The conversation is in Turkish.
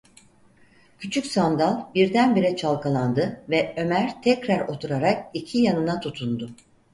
Küçük sandal birdenbire çalkalandı ve Ömer tekrar oturarak iki yanına tutundu.